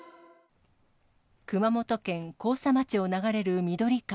熊本県甲佐町を流れる緑川。